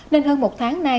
nên hơn một tháng nay